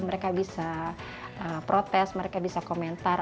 mereka bisa protes mereka bisa komentar